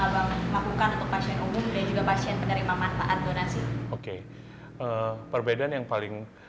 lakukan untuk pasien umum dan juga pasien penerima manfaat donasi oke perbedaan yang paling